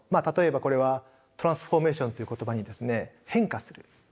例えばこれはトランスフォーメーションという言葉にですね変化する。